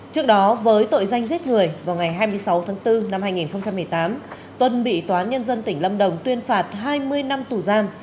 trước đó với tội danh giết người vào ngày hai mươi sáu tháng bốn năm hai nghìn một mươi tám tuân bị tòa án nhân dân tỉnh lâm đồng tuyên phạt hai mươi năm tù giam